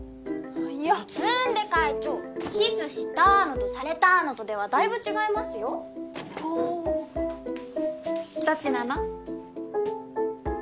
いや詰出会長キス「した」のと「された」のとではだいぶ違いますよおおーどっちなの？